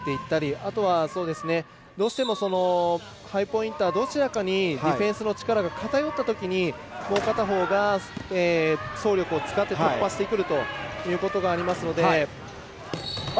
あとはどうしてもハイポインターどちらかにディフェンスの力が偏ったときにもう片方が走力を使って突破していくというのがありますので。